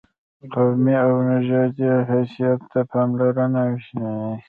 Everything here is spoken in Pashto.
قومي او نژادي حیثیت ته پاملرنه وي.